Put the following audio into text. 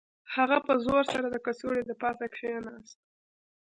هغه په زور سره د کڅوړې د پاسه کښیناست